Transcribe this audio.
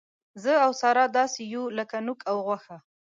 زه او ساره داسې یو لک نوک او غوښه.